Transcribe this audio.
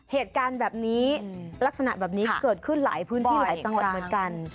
เหตุการณ์แบบนี้ลักษณะแบบนี้เกิดขึ้นหลายพื้นที่หลายจังหวัดเหมือนกัน